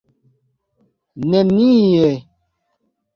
nenie